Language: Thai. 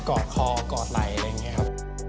อดคอกอดไหล่อะไรอย่างนี้ครับ